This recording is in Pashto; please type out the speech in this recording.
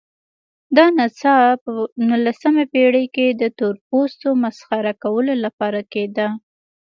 دا نڅا په نولسمه پېړۍ کې د تورپوستو مسخره کولو لپاره کېده.